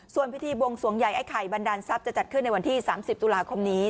ส่วนพิธีบวงสวงใหญ่ไอ้ไข่บันดาลทรัพย์จะจัดขึ้นในวันที่๓๐ตุลาคมนี้